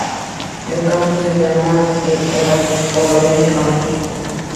El campus se llama el Old Colony Campus.